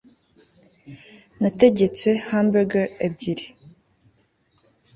nategetse hamburg ebyiri